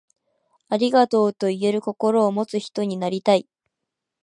ありがとう、と言える心を持つ人になりたい。